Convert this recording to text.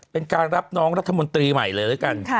เป็นการรับน้องรัฐมนตรีใหม่เลยแล้วกัน